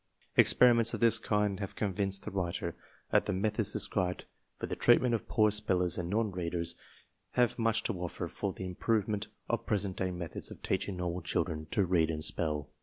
Experiments of this kind have convinced the writer that the methods described for the treatment of poor spellers and non readers have much to offer for the im provement of present day methods of teaching normal children to read and spell.